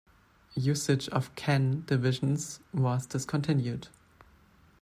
Usage of "Ken" divisions was discontinued.